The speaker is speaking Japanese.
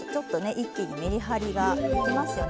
一気にめりはりができますよね。